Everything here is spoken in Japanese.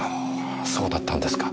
ああそうだったんですか。